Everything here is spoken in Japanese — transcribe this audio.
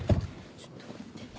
ちょっと待ってね。